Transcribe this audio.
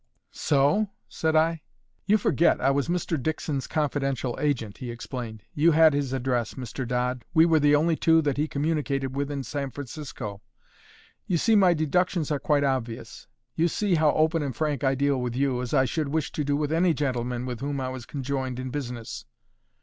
"So?" said I. "You forget I was Mr. Dickson's confidential agent," he explained. "You had his address, Mr. Dodd. We were the only two that he communicated with in San Francisco. You see my deductions are quite obvious: you see how open and frank I deal with you, as I should wish to do with any gentleman with whom I was conjoined in business.